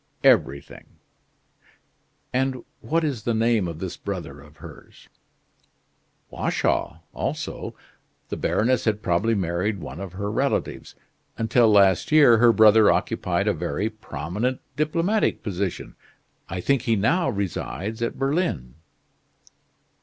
"Everything." "And what is the name of this brother of hers?" "Watchau, also. The baroness had probably married one of her relatives. Until last year her brother occupied a very prominent diplomatic position. I think he now resides at Berlin."